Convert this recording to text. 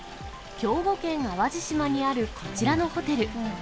兵庫県淡路島にあるこちらのホテル。